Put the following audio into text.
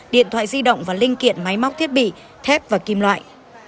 điện thoại di động và linh kiện máy móc thiết bị thép và kim loại